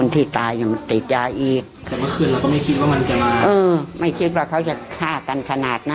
ที่ตายติดยาอีก